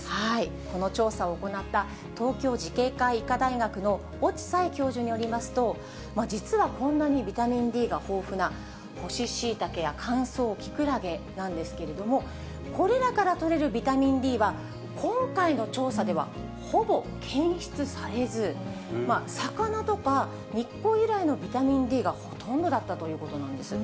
この調査を行った東京慈恵会医科大学の越智小枝教授によりますと、実はこんなにビタミンＤが豊富な干しシイタケや乾燥キクラゲなんですけれども、これらからとれるビタミンＤは、今回の調査ではほぼ検出されず、魚とか日光由来のビタミンＤがほとんどだったということなんです。